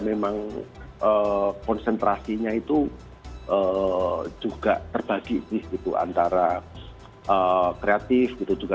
memang konsentrasinya itu juga terbagi gitu antara kreatif gitu juga